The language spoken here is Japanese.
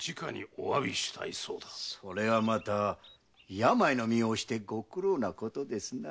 それはまた病の身を押してご苦労なことですな。